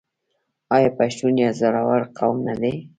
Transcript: آیا پښتون یو زړور قوم نه دی؟